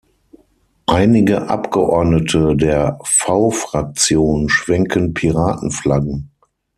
Einige Abgeordnete der V-Fraktion schwenken Piratenflaggen.